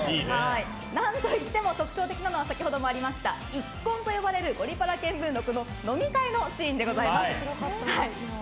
何といっても特徴的なのは先ほどもありました一献という「ゴリパラ見聞録」の飲み会のシーンでございます。